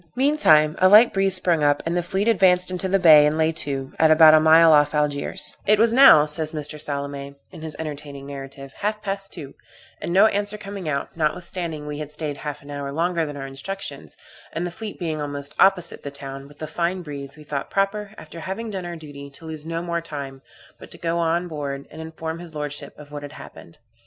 Meantime, a light breeze sprung up, and the fleet advanced into the bay, and lay to, at about a mile off Algiers "It was now," says Mr. Salame, in his entertaining narrative, "half past two, and no answer coming out, notwithstanding we had staid half an hour longer than our instructions, and the fleet being almost opposite the town, with a fine breeze, we thought proper, after having done our duty, to lose no more time, but to go on board, and inform his lordship of what had happened.